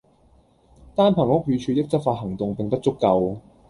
單憑屋宇署的執法行動並不足夠